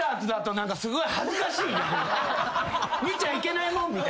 見ちゃいけないもん見た。